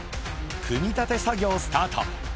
組み立て作業スタート。